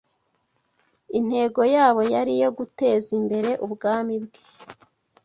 Intego yabo yari iyo guteza imbere ubwami bwe